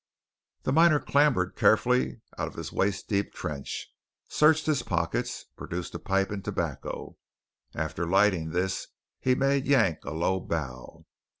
The miner clambered carefully out of his waist deep trench, searched his pockets, produced a pipe and tobacco. After lighting this he made Yank a low bow.